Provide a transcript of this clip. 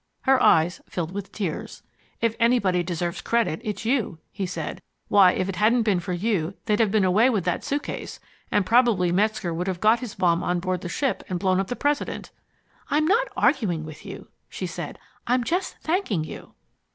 Her eyes filled with tears. "If anybody deserves credit, it's you," he said. "Why, if it hadn't been for you they'd have been away with that suitcase and probably Metzger would have got his bomb on board the ship and blown up the President " "I'm not arguing with you," she said. "I'm just thanking you."